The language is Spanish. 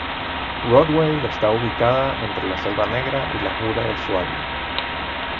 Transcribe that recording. Rottweil está ubicada entre la Selva Negra y la Jura de Suabia.